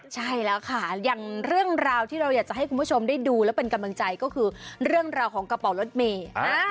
ใช่แล้วค่ะอย่างเรื่องราวที่เราอยากจะให้คุณผู้ชมได้ดูและเป็นกำลังใจก็คือเรื่องราวของกระเป๋ารถเมย์